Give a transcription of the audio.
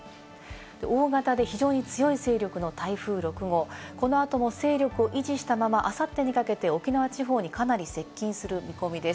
大型で非常に強い勢力の台風６号、この後も勢力を維持したまま、あさってにかけて沖縄地方にかなり接近する見込みです。